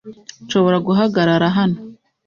"Nshobora guhagarara hano